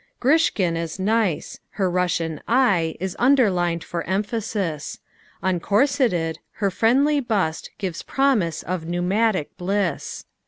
..... Grishkin is nice: her Russian eye Is underlined for emphasis; Uncorseted, her friendly bust Gives promise of pneumatic bliss.